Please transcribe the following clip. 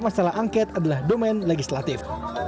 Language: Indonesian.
masalah angket adalah domain legislatif